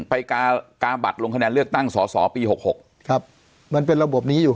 ไปกาบัตรลงคะแนนเลือกตั้งสอสอปี๖๖ครับมันเป็นระบบนี้อยู่